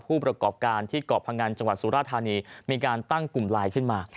ผู้ประกอบการที่เกาะพงันจังหวัดสุราธานีมีการตั้งกลุ่มไลน์ขึ้นมา